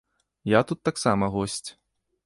Я тут таксама госць.